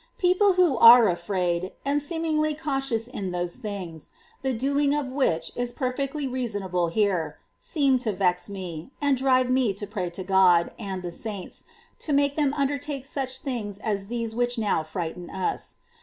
People who are afraid, and seemingly cautious in those things, the doing of which is perfectly reasonable here, seem to vex me, and drive me to pray to God and the saints to make them undertake such things as these which now frighten us.